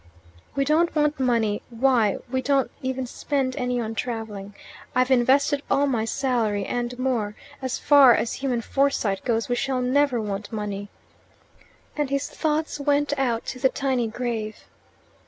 "We don't want money why, we don't even spend any on travelling. I've invested all my salary and more. As far as human foresight goes, we shall never want money." And his thoughts went out to the tiny grave.